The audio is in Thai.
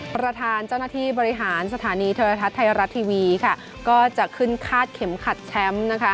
ประธานเจ้าหน้าที่บริหารสถานีโทรทัศน์ไทยรัฐทีวีค่ะก็จะขึ้นคาดเข็มขัดแชมป์นะคะ